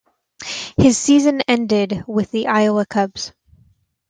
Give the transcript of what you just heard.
His season ended with the Iowa Cubs.